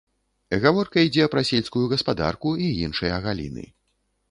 Гаворка ідзе пра сельскую гаспадарку і іншыя галіны.